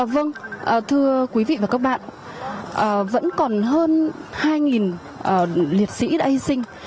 vâng thưa quý vị và các bạn vẫn còn hơn hai liệt sĩ đã hy sinh